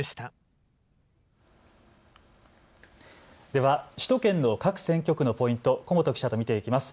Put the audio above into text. では首都圏の各選挙区のポイント、古本記者と見ていきます。